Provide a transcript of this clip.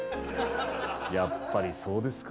やっぱりそうですか。